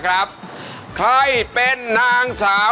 วันที่เธอพบมันใจฉัน